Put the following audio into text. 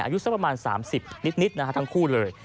อายุสักประมาณ๓๐นิดนะฮะทั้งคู่เลย